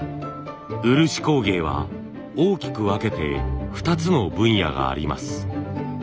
漆工芸は大きく分けて２つの分野があります。